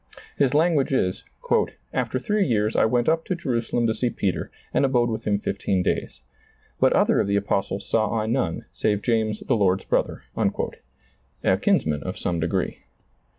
His language is : "After three years I went up to Jerusalem to see Peter, and abode with him fifteen days. But other of the apostles saw I none, save James the Lord's brother," a kinsman of some degree.